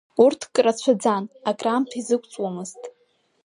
Урҭк рацәаӡан, акраамҭа изықәҵуамызт.